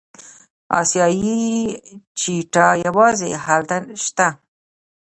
اسیایي چیتا یوازې هلته شته.